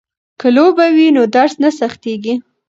که لوبه وي نو درس نه سختيږي.